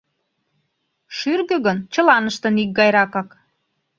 Шӱргӧ гын чылаштын икгайракак.